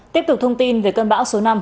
tiếp tục thông tin về cơn bão số năm